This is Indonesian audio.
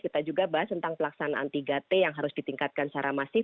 kita juga bahas tentang pelaksanaan tiga t yang harus ditingkatkan secara masif